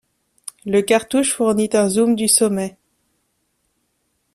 Le cartouche fournit un zoom du sommet.